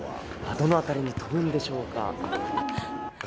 どの辺りに飛ぶんでしょうか。